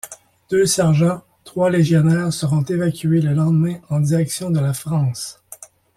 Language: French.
Deux sergents, trois légionnaires seront évacués le lendemain en direction de la France.